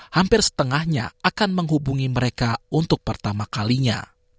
hampir setengahnya akan menghubungi mereka untuk pertama kalinya